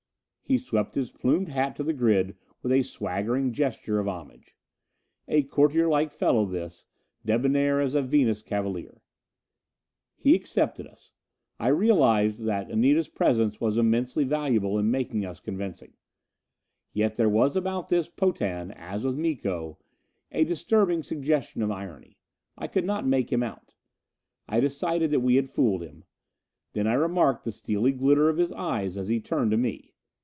He swept his plumed hat to the grid with a swaggering gesture of homage. A courtierlike fellow this, debonair as a Venus cavalier! He accepted us. I realized that Anita's presence was immensely valuable in making us convincing. Yet there was about this Potan as with Miko a disturbing suggestion of irony. I could not make him out. I decided that we had fooled him. Then I remarked the steely glitter of his eyes as he turned to me.